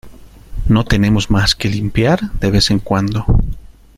No tenemos más que limpiar de vez en cuando.